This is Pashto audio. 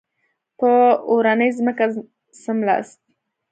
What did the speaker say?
په اورنۍ ځمکه څملاست.